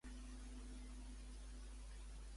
Què pensa que no s'excusa tampoc?